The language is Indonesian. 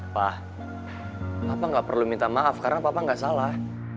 pa papa gak perlu minta maaf karena papa gak salah